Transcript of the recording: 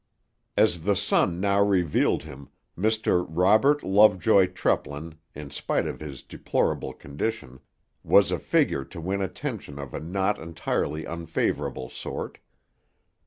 As the sun now revealed him, Mr. Robert Lovejoy Treplin, in spite of his deplorable condition, was a figure to win attention of a not entirely unfavourable sort.